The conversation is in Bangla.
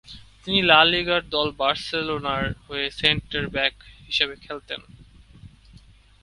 তিনি লা লিগার দল বার্সেলোনার হয়ে সেন্টার-ব্যাক হিসেবে খেলেন।